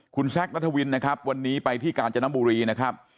คุณแซคนัทวินนะครับวันนี้ไปที่กาญจนบุรีนะครับ